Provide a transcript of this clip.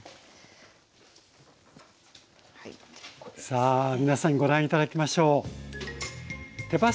さあ皆さんご覧頂きましょう。